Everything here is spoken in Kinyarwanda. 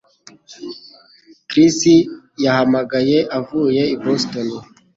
Chris yahamagaye avuye i Boston